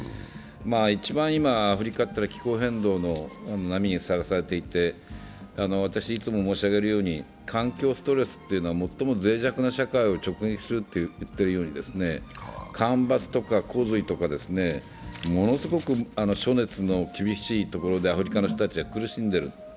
一番今、アフリカというのは気候変動の波にさらされていて、私、いつも申し上げるように環境ストレスというのは最もぜい弱な社会を直撃すると言っているように干ばつとか洪水とか、ものすごく暑熱の厳しいところで、アフリカの人たちは苦しんでる。